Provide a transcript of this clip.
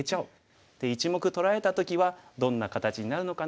１目取られた時はどんな形になるのかな。